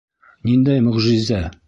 — Ниндәй мөғжизә?